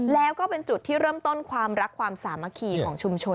แล้วก็เป็นจุดที่เริ่มต้นความรักความสามัคคีของชุมชน